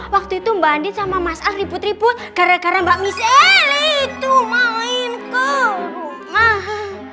waktu itu mbak andien sama mas al riput riput karena mbak michelle itu maling ke rumah